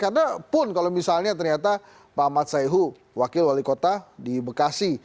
karena pun kalau misalnya ternyata pak ahmad sayhu wakil wali kota di bekasi